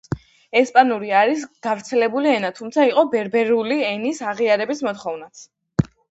ესპანური არის გავრცელებული ენა, თუმცა იყო ბერბერული ენის აღიარების მოთხოვნაც.